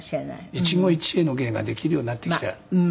一期一会の芸ができるようになってきた。